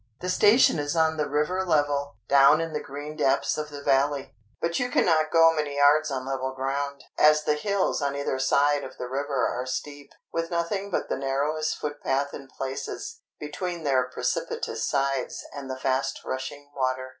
The station is on the river level, down in the green depths of the Valley. But you cannot go many yards on level ground, as the hills on either side of the river are steep, with nothing but the narrowest footpath in places, between their precipitous sides and the fast rushing water.